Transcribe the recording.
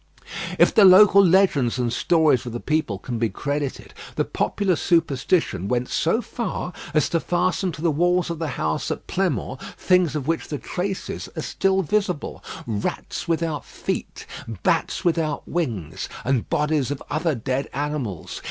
If the local legends and stories of the people can be credited, the popular superstition went so far as to fasten to the walls of the house at Pleinmont things of which the traces are still visible rats without feet, bats without wings, and bodies of other dead animals.